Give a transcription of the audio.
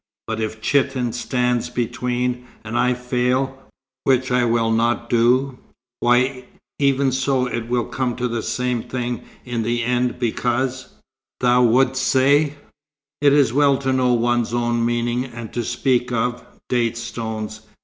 "But if Chitan stands between, and I fail which I will not do why, even so, it will come to the same thing in the end, because " "Thou wouldst say " "It is well to know one's own meaning, and to speak of date stones.